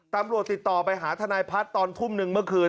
ตำรวจติดต่อไปหาทนายพัฒน์ตอนทุ่มหนึ่งเมื่อคืน